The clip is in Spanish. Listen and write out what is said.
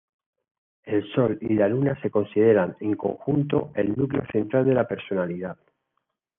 El Sol y la Luna se consideran, en conjunto, el núcleo central de personalidad.